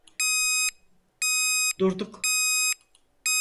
Durduk.